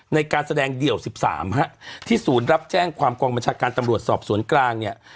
ในการแสดงเดี่ยว๑๓ที่ฐูรับแจ้งความกวมประชาติการตรรวจสวนกลาง